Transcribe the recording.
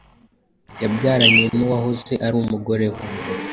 yabyaranye n’uwahoze ari umugore we,